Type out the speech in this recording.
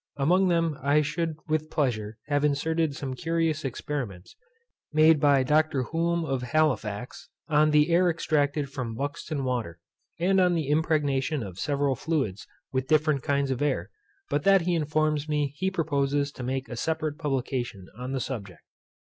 Among them I should with pleasure have inserted some curious experiments, made by Dr. Hulme of Halifax, on the air extracted from Buxton water, and on the impregnation of several fluids, with different kinds of air; but that he informs me he proposes to make a separate publication on the subject.